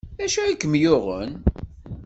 D acu ay kem-yuɣen?